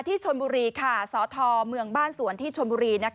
ที่ชนบุรีค่ะสธเมืองบ้านสวนที่ชนบุรี